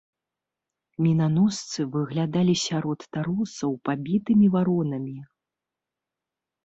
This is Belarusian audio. Мінаносцы выглядалі сярод таросаў пабітымі варонамі.